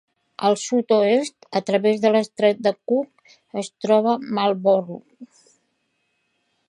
Al sud-oest a través de l'estret de Cook es troba Marlborough.